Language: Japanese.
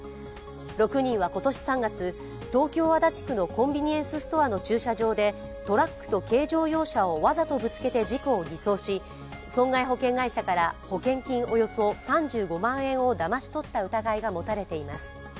６人は今年３月、東京・足立区のコンビニエンスストアの駐車場でトラックと軽乗用車をわざとぶつけて事故を偽装し損害保険会社から保険金およそ３５万円をだまし取った疑いが持たれています。